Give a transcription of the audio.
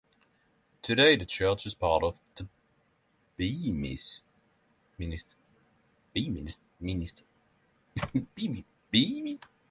Today the church is part of the Beaminster Area Team Ministry.